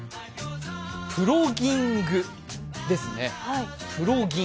プロギングです。